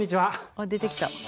あっ出てきた。